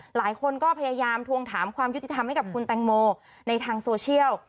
หลายคนก็พยายามทวงถามความยุติธรรมให้กับคุณแตงโมในทางโซเชียล